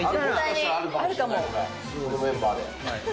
このメンバーで。